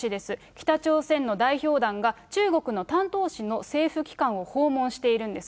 北朝鮮の代表団が、中国の丹東市の政府機関を訪問しているんです。